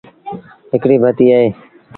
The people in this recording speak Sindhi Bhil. هڪڙي بتيٚ اهي۔